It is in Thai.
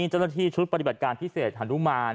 เจ้าหน้าที่ชุดปฏิบัติการพิเศษฮานุมาน